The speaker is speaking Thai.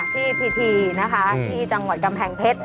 ที่พิธีนะคะที่จังหวัดกำแพงเพชร